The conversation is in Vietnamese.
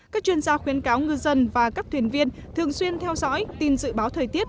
các chuyên gia khuyến cáo ngư dân và các thuyền viên thường xuyên theo dõi tin dự báo thời tiết